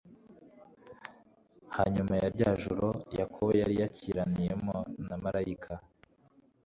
Hanyuma ya rya joro Yakobo yari yakiraniyemo na malayika,